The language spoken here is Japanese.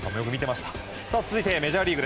続いて、メジャーリーグ。